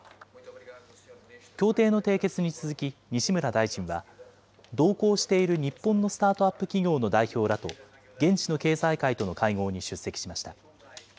協定の締結に続き、西村大臣は、同行している日本のスタートアップ企業の代表らと、現地の経済界との会合に出席しました。